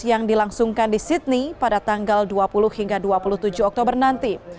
yang dilangsungkan di sydney pada tanggal dua puluh hingga dua puluh tujuh oktober nanti